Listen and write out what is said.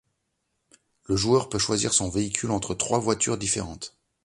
Le joueur peut choisir son véhicule entre trois voitures différentes.